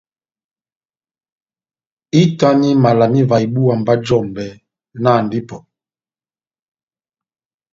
Ehitani mala má ivaha ibúwa mba jɔmbɛ, nahandi ipɔ !